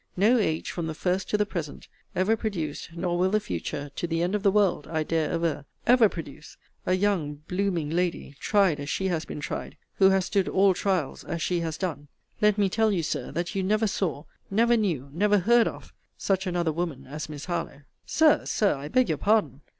No age, from the first to the present, ever produced, nor will the future, to the end of the world, I dare aver, ever produce, a young blooming lady, tried as she has been tried, who has stood all trials, as she has done. Let me tell you, Sir, that you never saw, never knew, never heard of, such another woman as Miss Harlowe. Sir, Sir, I beg your pardon.